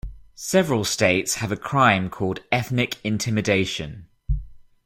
Several states have a crime called "Ethnic intimidation".